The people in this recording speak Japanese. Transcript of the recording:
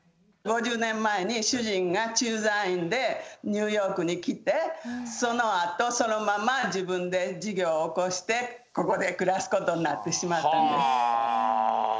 ５０年前に主人が駐在員でニューヨークに来てそのあとそのまま自分で事業を興してここで暮らすことになってしまったんです。